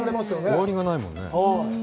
終わりがないもんね。